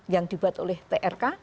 yang dibuat oleh trk